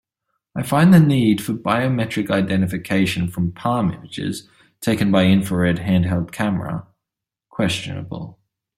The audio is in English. I find the need for biometric identification from palm images taken by infrared handheld camera questionable.